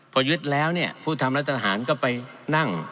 พอยึดแล้วเนี่ยผู้ทำรัฐทหารก็ไปนั่ง